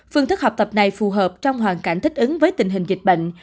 phương thức học tập này phù hợp trong hoàn cảnh thích ứng với tình hình dịch bệnh